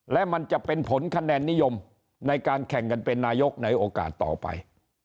และมันจะเป็นผลคะแนนนิยมในการแข่งกันเป็นนายกในโอกาสต่อไป